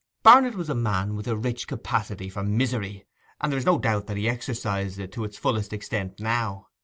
Barnet was a man with a rich capacity for misery, and there is no doubt that he exercised it to its fullest extent now.